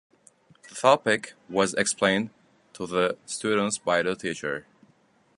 The topic was explained to the students by the teacher.